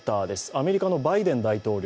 アメリカのバイデン大統領。